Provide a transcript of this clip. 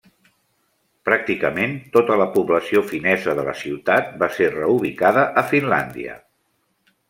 Pràcticament tota la població finesa de la ciutat va ser reubicada a Finlàndia.